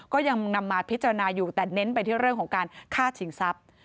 ก็ยังนำมาพิจารณาอยู่แต่เน้นไปที่เรื่องของการฆ่าชิงทรัพย์